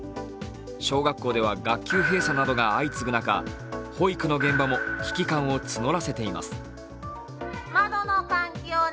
小学校では学級閉鎖などが相次ぐ中、保育の現場も危機感を募らせています。